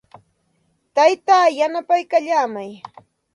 Taytaa yanapaykallaamay.